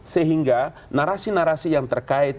sehingga narasi narasi yang terkait